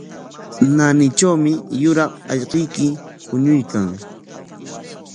Naanitrawmi yuraq allquyki puñuykan.